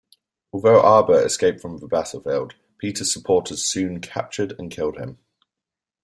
Although Aba escaped from the battlefield, Peter's supporters soon captured and killed him.